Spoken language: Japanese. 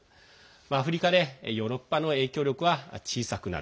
アフリカでヨーロッパの影響力は小さくなる。